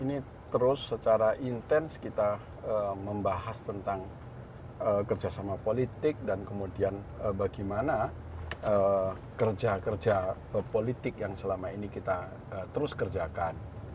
ini terus secara intens kita membahas tentang kerjasama politik dan kemudian bagaimana kerja kerja politik yang selama ini kita terus kerjakan